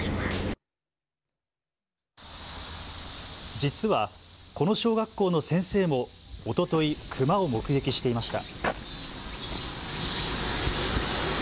実はこの小学校の先生もおととい、クマを目撃していました。